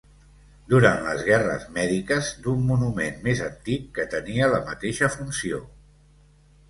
Durant les Guerres Mèdiques d'un monument més antic que tenia la mateixa funció.